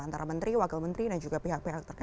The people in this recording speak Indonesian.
antara menteri wakil menteri dan juga pihak pihak terkait